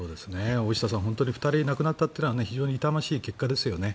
大下さん、本当に２人亡くなったというのは非常に痛ましい結果ですよね。